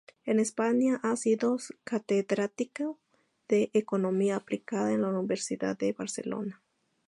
En España ha sido catedrático de Economía Aplicada en la Universidad de Barcelona.